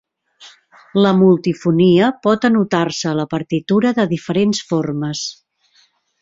La multifonia pot anotar-se a la partitura de diferents formes.